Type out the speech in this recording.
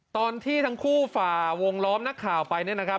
ตอนที่ทั้งคู่ฝ่าวงล้อมนักข่าวไปเนี่ยนะครับ